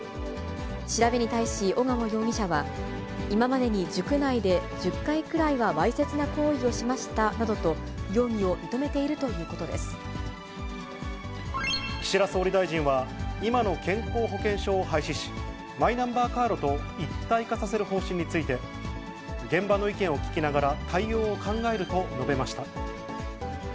調べに対し小鴨容疑者は、今までに塾内で１０回くらいはわいせつな行為をしましたなどと、岸田総理大臣は、今の健康保険証を廃止し、マイナンバーカードと一体化させる方針について、現場の意見を聞きながら、対応を考えると述べました。